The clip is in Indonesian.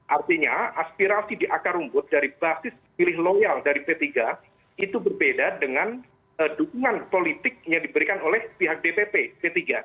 artinya aspirasi di akar rumput dari basis pilih loyal dari p tiga itu berbeda dengan dukungan politik yang diberikan oleh pihak dpp p tiga